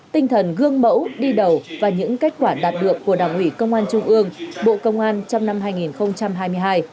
tinh thần gương mẫu đi đầu và những kết quả đạt được của đảng ủy công an trung ương bộ công an trong năm hai nghìn hai mươi hai